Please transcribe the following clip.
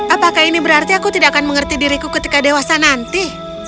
apakah ini berarti aku tidak akan mengerti diriku ketika dewasa nanti